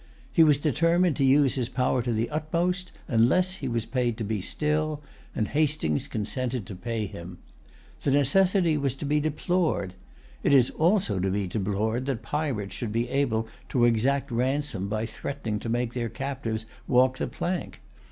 He was determined to use his power to the utmost, unless he was paid to be still; and Hastings consented to pay him. The necessity was to be deplored. It is also to be deplored that pirates should be able to exact ransom by threatening to make their captives walk the plank.